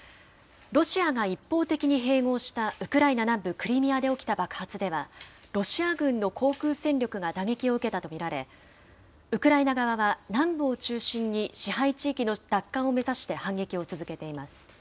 ロシアが一方的に併合したウクライナ南部クリミアで起きた爆発では、ロシア軍の航空戦力が打撃を受けたと見られ、ウクライナ側は、南部を中心に支配地域の奪還を目指して反撃を続けています。